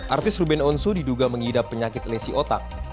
artis ruben onsu diduga mengidap penyakit lesi otak